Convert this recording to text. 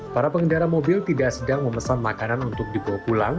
para pengendara mobil tidak sedang memesan makanan untuk dibawa pulang